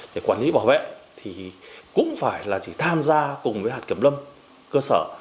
để quản lý bảo vệ thì cũng phải là chỉ tham gia cùng với hạt kiểm lâm cơ sở